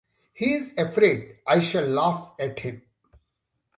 He is afraid I shall laugh at him.